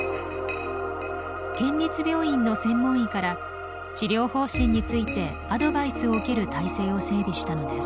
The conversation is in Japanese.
県立病院の専門医から治療方針についてアドバイスを受ける体制を整備したのです。